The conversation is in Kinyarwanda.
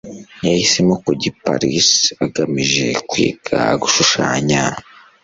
yahisemo kujya i paris agamije kwiga gushushanya